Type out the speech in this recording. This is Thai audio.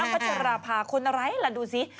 เอ้าปัจจันราภาคนอะไรล่ะดูสิ